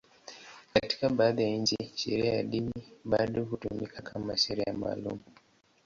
Katika baadhi ya nchi, sheria ya dini bado hutumika kama sheria maalum.